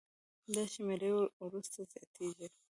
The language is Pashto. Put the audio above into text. دا شمېر وروسته زیاتېږي.